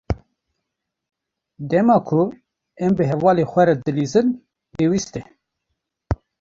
Dema ku em bi hevalên xwe re dilîzin, pêwîst e.